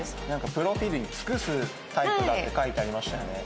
プロフィールに尽くすタイプだって書いてありましたよね。